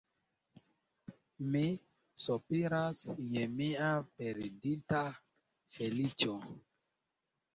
Mi sopiras je mia perdita feliĉo.